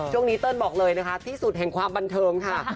เติ้ลบอกเลยนะคะที่สุดแห่งความบันเทิงค่ะ